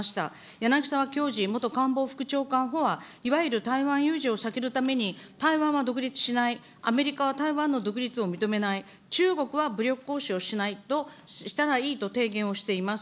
やなぎさわきょうじ元官房副長官補は、いわゆる台湾有事を避けるために台湾は独立しない、アメリカは台湾の独立を認めない、中国は武力行使をしないとしたらいいと提言をしています。